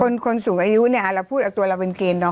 คนสูงอายุเนี่ยเราพูดเอาตัวเราเป็นเกณฑ์เนาะ